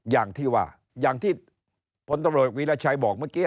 อย่างที่ว่าอย่างที่พลตำรวจวีรชัยบอกเมื่อกี้